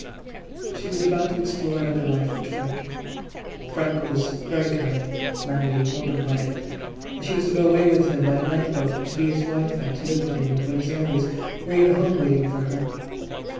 She was about to explore another life with Frank. Frank was very kind, manly, open hearted. She was to go away with him by the night boat to be his wife and to live with him in Buenos Ayres where he had a home waiting for her.